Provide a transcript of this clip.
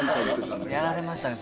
やられましたね